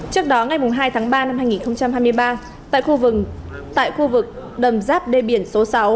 trước đó ngày hai tháng ba năm hai nghìn hai mươi ba tại khu tại khu vực đầm giáp đê biển số sáu